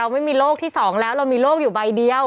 พี่ฟังแล้วเรามีโลกอยู่ใบเดียว